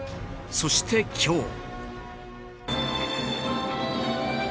そして、今日。